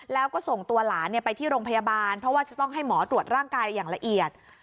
แล้วก็ส่งตัวหลานไปที่โรงพยาบาลเพราะว่าจะต้องให้หมอตรวจร่างกายอย่างละเอียด